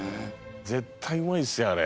絶対うまいですよあれ。